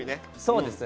そうです！